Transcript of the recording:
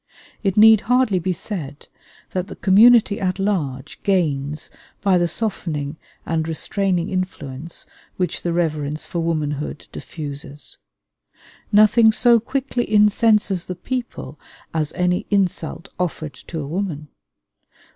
It need hardly be said that the community at large gains by the softening and restraining influence which the reverence for womanhood diffuses. Nothing so quickly incenses the people as any insult offered to a woman.